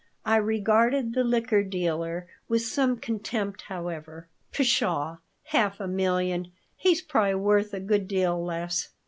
I regarded the liquor dealer with some contempt, however. "Pshaw! half a million. He's probably worth a good deal less.